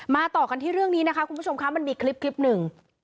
ต่อกันที่เรื่องนี้นะคะคุณผู้ชมคะมันมีคลิปหนึ่ง